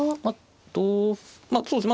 同歩まあそうですね